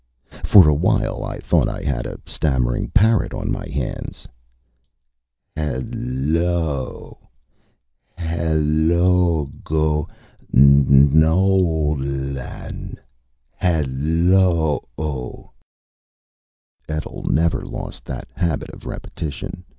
For a while I thought I had a stammering parrot on my hands: "Hel l l l o ... Hell oh g o ... N n ol l an n n ... Hell lo oh." Etl never lost that habit of repetition.